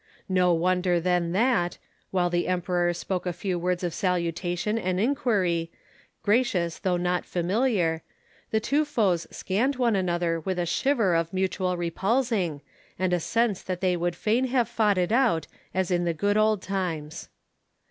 No wonder then that, while the Emperor spoke a few words of salutation and inquiry, gracious though not familiar, the two foes scanned one another with a shiver of mutual repulsing, and a sense that they would fain have fought it out as in the good old times.